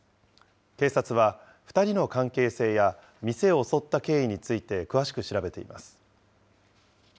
警察は２人の関係性や店を襲った経緯について、詳しく調べています。